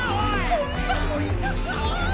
・・こんな子いたかぁ？